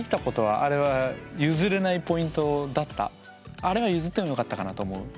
あれは譲ってもよかったかなと思う？